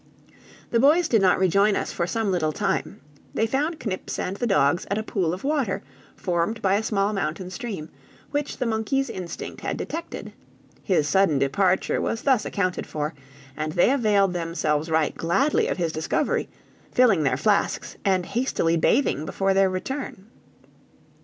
The boys did not rejoin us for some little time; they found Knips and the dogs at a pool of water formed by a small mountain stream, which the monkey's instinct had detected; his sudden departure was thus accounted for, and they availed themselves right gladly of his discovery, filling their flasks, and hastily bathing before their return.